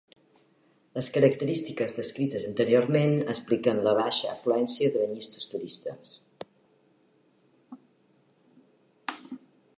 Les característiques descrites anteriorment expliquen la baixa afluència de banyistes turistes.